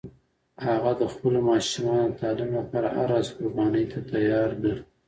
هغه د خپلو ماشومانو د تعلیم لپاره هر راز قربانی ته تیار ده